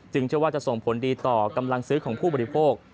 เชื่อว่าจะส่งผลดีต่อกำลังซื้อของผู้บริโภค